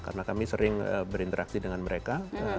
karena kami sering berinteraksi dengan mereka